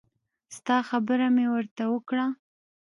ستا خبره مې ورته وکړه.